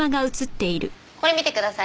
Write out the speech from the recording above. これ見てください。